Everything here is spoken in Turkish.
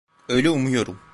Öyle umuyorum.